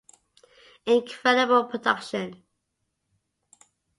Incredible production.